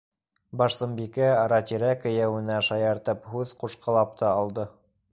Барсынбикә ара-тирә кейәүенә шаяртып һүҙ ҡушҡылап та алды: